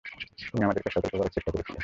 তুমি আমাদের সতর্ক করার চেষ্টা করেছিলে।